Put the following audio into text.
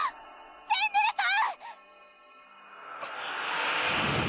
フェンネルさん！